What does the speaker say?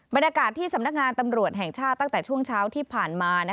บรรยากาศที่สำนักงานตำรวจแห่งชาติตั้งแต่ช่วงเช้าที่ผ่านมา